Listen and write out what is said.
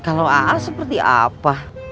kalau aa seperti apa